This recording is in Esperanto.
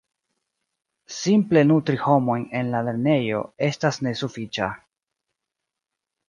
Simple nutri homojn en la lernejo estas nesufiĉa.